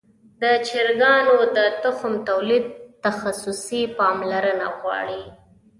د چرګانو د تخم تولید تخصصي پاملرنه غواړي.